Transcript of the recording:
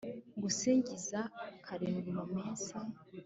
ngusingiza karindwi mu munsi